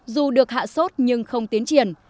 dù được hạ sốt nhưng không tiến triển